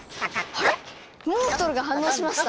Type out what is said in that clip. あれっモンストロが反応しました。